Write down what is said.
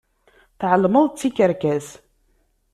Tεelmeḍ d tikerkas.